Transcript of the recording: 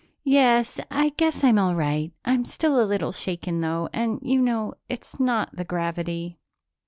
"Yes, I guess I'm all right. I'm still a little shaken, though, and you know it's not the gravity."